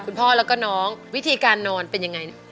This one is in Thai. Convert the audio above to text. คุณพ่อแล้วก็น้องวิธีการนอนเป็นยังไง